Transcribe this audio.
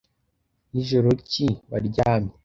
Nijoro ki waryamye